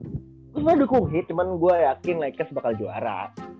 sebenernya udah kuhit cuman gue yakin lakers bakal juara